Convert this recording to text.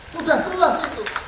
sudah jelas itu